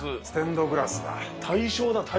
ステンドグラスだ。